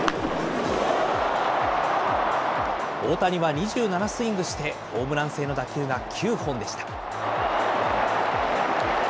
大谷は２７スイングして、ホームラン性の打球が９本でした。